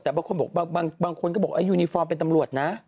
แต่บางคนก็บอกว่ายูนิฟอร์มเป็นตำรวจนะ